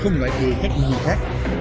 không loại người khác như gì khác